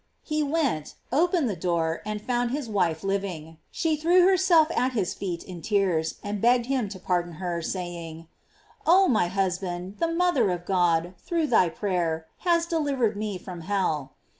He went, open ed the door, and found his wife living; she threw herself at his feet in tears and begged him to pardon her, saying : "Oh, my husband, the mother of God, through thy prayer, has deliv ered me from hell."